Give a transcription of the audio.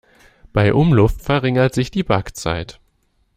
Bei Umluft verringert sich die Backzeit.